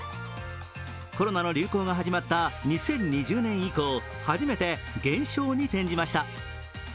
コロナの流行が始まった２０２０年以降初めて減少に転じました。